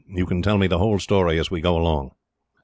"You can tell me the whole story, as we go along."